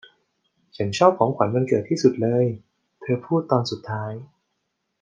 'ฉันชอบของขวัญวันเกิดที่สุดเลย' เธอพูดตอนสุดท้าย